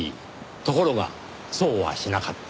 ところがそうはしなかった。